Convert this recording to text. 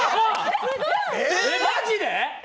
マジで？